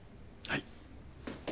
はい。